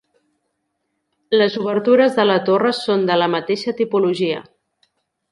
Les obertures de la torre són de la mateixa tipologia.